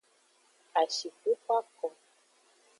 Ashixuxu ako.